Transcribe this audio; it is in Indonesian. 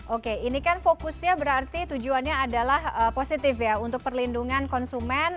oke ini kan fokusnya berarti tujuannya adalah positif ya untuk perlindungan konsumen